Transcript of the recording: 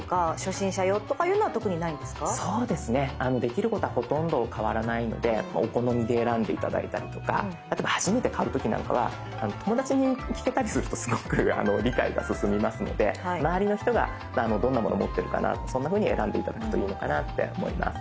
そうですねできることはほとんど変わらないのでお好みで選んで頂いたりとかあとは初めて買う時なんかは友達に聞けたりするとすごく理解が進みますので周りの人がどんなものを持ってるかなとそんなふうに選んで頂くといいのかなって思います。